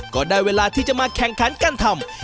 ก็ได้เวลาที่จะมาแข่งขันกันทำ